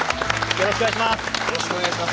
よろしくお願いします。